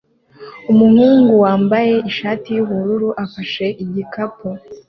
umuhungu wambaye ishati yubururu afashe igikapu